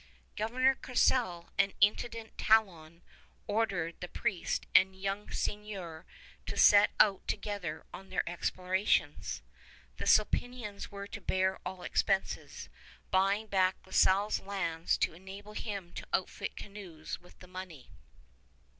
Governor Courcelle and Intendant Talon ordered the priest and young seigneur to set out together on their explorations. The Sulpicians were to bear all expenses, buying back La Salle's lands to enable him to outfit canoes with the money.